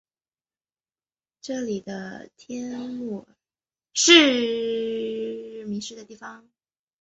这里是帖木儿彻底击败金帐汗国汗脱脱迷失的地方。